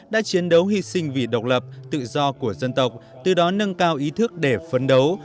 đã chiến đấu hy sinh vì độc lập tự do của dân tộc từ đó nâng cao ý thức để phấn đấu